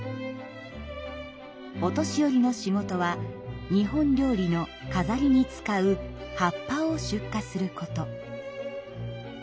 お年寄りの仕事は日本料理の飾りに使う葉っぱを出荷すること。